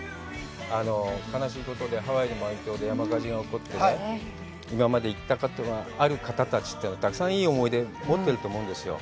悲しいことでハワイも山火事が起こってね、今まで行ったことがある方たちというのはたくさんいい思い出、持っていると思うんですよ。